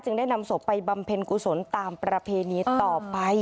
ได้นำศพไปบำเพ็ญกุศลตามประเพณีต่อไป